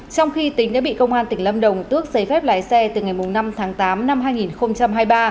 trong khi tính đã bị công an tỉnh lâm đồng tước giấy phép lái xe từ ngày năm tháng tám năm hai nghìn hai mươi ba